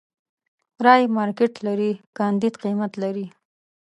رايې مارکېټ لري، کانديد قيمت لري.